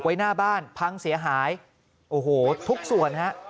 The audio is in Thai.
ไว้หน้าบ้านพังเสียหายโอ้โหทุกส่วนฮะ